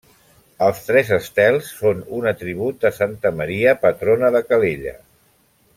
Els tres estels són un atribut de Santa Maria, patrona de Calella.